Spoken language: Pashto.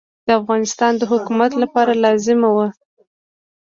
د افغانستان د حکومت لپاره لازمه وه.